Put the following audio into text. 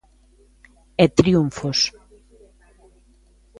E triunfos.